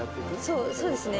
そうそうですね